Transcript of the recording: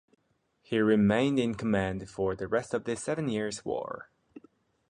He remained in command for the rest of the Seven Years' War.